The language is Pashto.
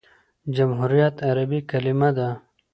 جمهوریت عربي کلیمه ده.